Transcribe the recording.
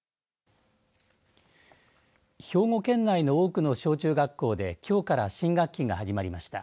兵庫県内の多くの小中学校できょうから新学期が始まりました。